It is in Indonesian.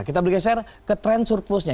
kita bergeser ke tren surplusnya